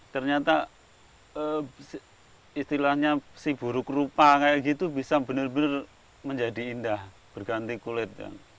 ternyata istilahnya si buruk rupa kayak gitu bisa benar benar menjadi indah berganti kulit